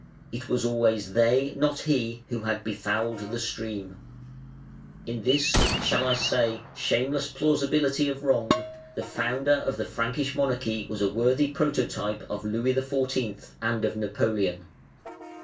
It was always they, not he, who had befouled the stream. In this, shall I say, shameless plausibility of wrong, the founder of the Frankish monarchy was a worthy prototype of Louis XIV. and of Napoleon.